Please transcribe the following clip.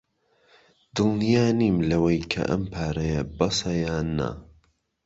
دڵنیا نیم لەوەی کە ئەم پارەیە بەسە یان نا.